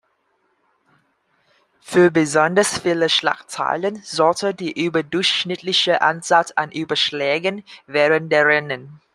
Für besonders viele Schlagzeilen sorgte die überdurchschnittliche Anzahl an Überschlägen während der Rennen.